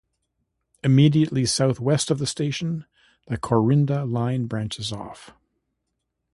Immediately south-west of the station, the Corinda line branches off.